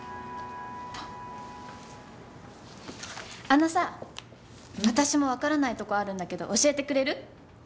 あのさ私もわからないとこあるんだけど教えてくれる？